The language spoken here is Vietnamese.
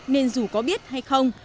nên dù có biết hay không